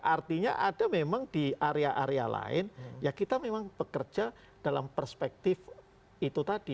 artinya ada memang di area area lain ya kita memang bekerja dalam perspektif itu tadi